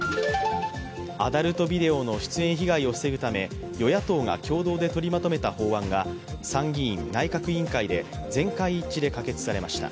アダルトビデオの出演被害を防ぐため与野党が共同で取りまとめた法案が参議院内閣委員会で全会一致で可決されました。